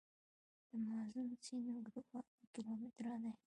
د مازون سیند اوږدوالی کیلومتره دی.